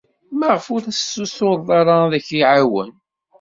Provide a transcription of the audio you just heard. Maɣef ur as-tessutured ad k-iɛawen?